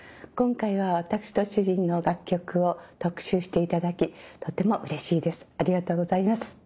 今回は私と主人の楽曲を特集していただきとてもうれしいです。